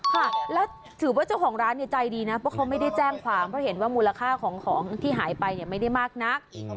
ค่ะแล้วถือว่าเจ้าของร้านเนี่ยใจดีนะเพราะเขาไม่ได้แจ้งความเพราะเห็นว่ามูลค่าของของที่หายไปเนี่ยไม่ได้มากนัก